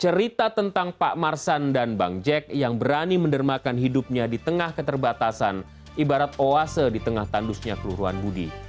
cerita tentang pak marsan dan bang jack yang berani mendermakan hidupnya di tengah keterbatasan ibarat oase di tengah tandusnya keluruhan budi